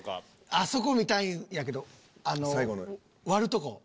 あそこ見たいんやけど割るとこ。